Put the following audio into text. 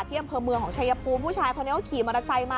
อำเภอเมืองของชายภูมิผู้ชายคนนี้เขาขี่มอเตอร์ไซค์มา